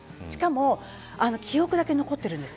しかも記憶だけ残ってるんです。